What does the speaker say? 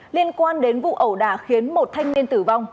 liên quan đến vụ ẩu đả khiến một thanh niên tử vong